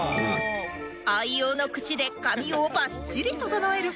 愛用のクシで髪をバッチリ整える